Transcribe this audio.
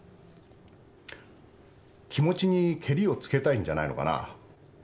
気持ちにケリをつけたいんじゃないのかな？